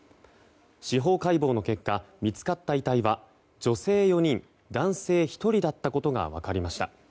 司法解剖の結果見つかった遺体は女性４人、男性１人だったことが分かりました。